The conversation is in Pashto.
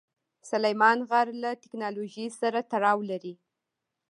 سلیمان غر له تکنالوژۍ سره تړاو لري.